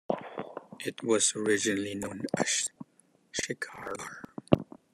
It was originally known as Shikharghar.